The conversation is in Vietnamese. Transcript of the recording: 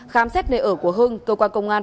khám xét nơi ở của hưng cơ quan công an